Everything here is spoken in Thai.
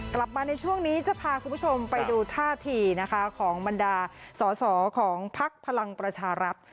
กลับมาในช่วงนี้จะพาคุณผู้ชมไปดูท่าทีนะคะของบรรดาสอสอของพักพลังประชารัฐ